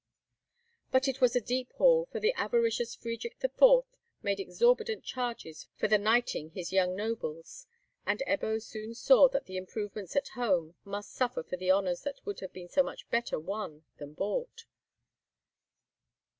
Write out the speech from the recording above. But it was a deep haul, for the avaricious Friedrich IV. made exorbitant charges for the knighting his young nobles; and Ebbo soon saw that the improvements at home must suffer for the honours that would have been so much better won than bought.